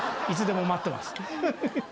いつでも待ってます。